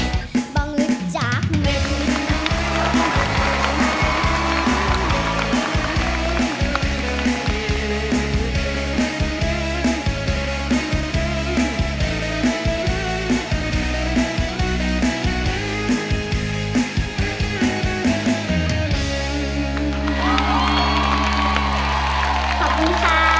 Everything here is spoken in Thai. สิไปทางได้กล้าไปน้องบ่ได้สนของพ่อสำนี